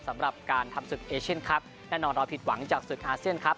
สำหรับการทำศึกเอเชียนครับแน่นอนเราผิดหวังจากศึกอาเซียนครับ